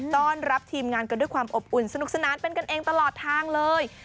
ต้อนรับทีมงานกันด้วยความอบอุ่นสนุกสนานเป็นกันเองตลอดทางเลย